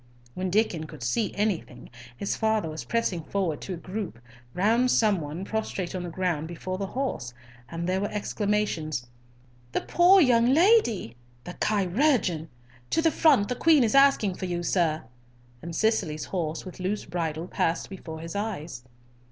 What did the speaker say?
When Diccon could see anything, his father was pressing forward to a group round some one prostrate on the ground before the house, and there were exclamations, "The poor young lady! The chirurgeon! To the front, the Queen is asking for you, sir," and Cicely's horse with loose bridle passed before his eyes.